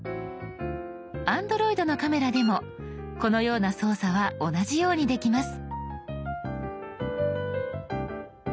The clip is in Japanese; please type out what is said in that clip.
Ａｎｄｒｏｉｄのカメラでもこのような操作は同じようにできます。